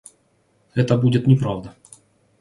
Это будет неправда.